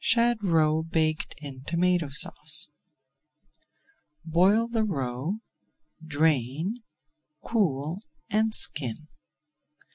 SHAD ROE BAKED IN TOMATO SAUCE Boil the roe, drain, cool, and skin.